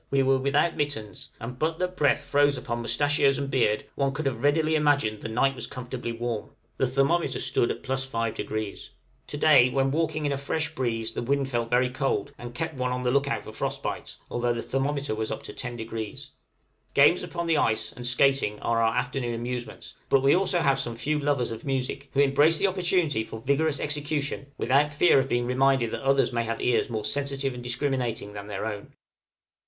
We were without mittens; and but that the breath froze upon moustachios and beard, one could have readily imagined the night was comfortably warm. The thermometer stood at +5°. To day when walking in a fresh breeze the wind felt very cold, and kept one on the look out for frost bites, although the thermometer was up to 10°. Games upon the ice and skating are our afternoon amusements, but we also have some few lovers of music, who embrace the opportunity for vigorous execution, without fear of being reminded that others may have ears more sensitive and discriminating than their own.